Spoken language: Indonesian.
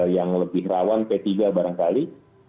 yang lebih rawan p tiga barangkali